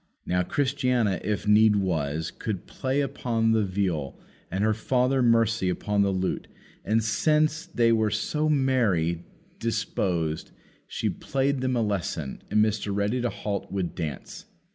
Now, Christiana, if need was, could play upon the viol, and her daughter Mercy upon the lute; and, since they were so merry disposed, she played them a lesson, and Mr. Ready to halt would dance.